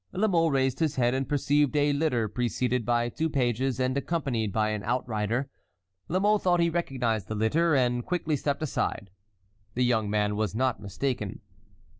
La Mole raised his head and perceived a litter preceded by two pages and accompanied by an outrider. La Mole thought he recognized the litter, and quickly stepped aside. The young man was not mistaken.